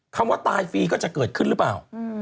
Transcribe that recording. คำว่าตายฟรีก็จะเกิดขึ้นหรือเปล่า